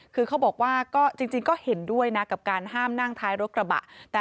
คือเขาบอกว่าจริงก็เห็นด้วยนะ